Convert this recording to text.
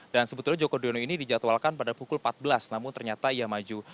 dan sebetulnya joko driono ini dijadwalkan pada pukul empat belas namun ternyata ia maju